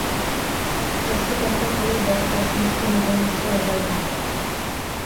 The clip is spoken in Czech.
Přesto tento kruh beztrestnosti nebyl ještě rozetnut.